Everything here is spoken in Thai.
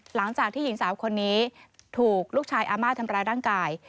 หลังจากที่หญิงสาวคนนี้ถูกลูกชายอาม่าทำร้ายร่างกาย